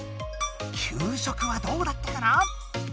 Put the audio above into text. きゅう食はどうだったかな？